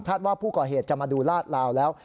ว่าผู้ก่อเหตุจะมาดูลาดลาวแล้ว